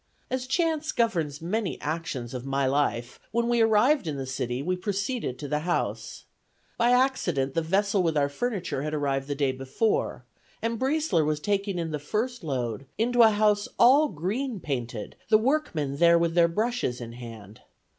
As chance governs many actions of my life, when we arrived in the city, we proceeded to the house. By accident, the vessel with our furniture had arrived the day before, and Briesler was taking in the first load into a house all green painted, the workmen there with their brushes in hand.